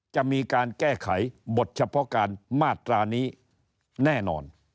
จะมีการแก้ไขบทเฉพาะการมาตรานี้แน่นอน